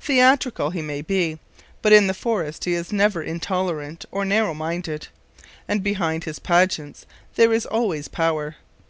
Theatrical he may be, but in the forest he is never intolerant or narrow minded. And behind his pageants there is always power.